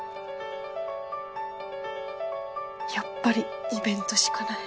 やっぱりイベントしかない。